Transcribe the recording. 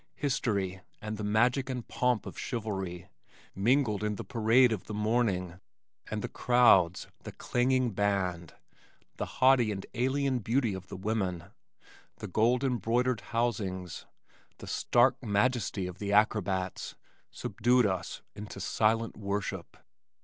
History and the magic and pomp of chivalry mingled in the parade of the morning, and the crowds, the clanging band, the haughty and alien beauty of the women, the gold embroidered housings, the stark majesty of the acrobats subdued us into silent worship.